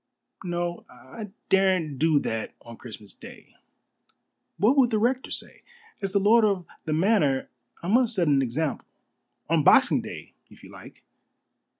"No. I daren't do that on Christmas Day. What would the rector say? As the lord of the manor I must set an example. On Boxing Day if you like."